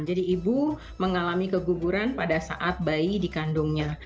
jadi ibu mengalami keguguran pada saat bayi dikandungnya